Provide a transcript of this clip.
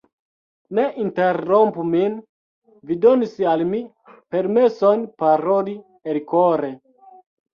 Ne interrompu min; vi donis al mi permeson paroli elkore.